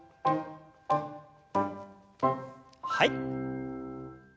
はい。